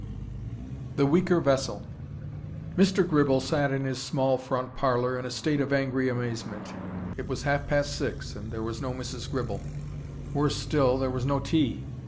THE WEAKER VESSEL Mr. Gribble sat in his small front parlour in a state of angry amazement. It was half past six and there was no Mrs. Gribble; worse still, there was no tea.